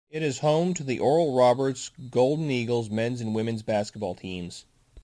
It is home to the Oral Roberts Golden Eagles men's and women's basketball teams.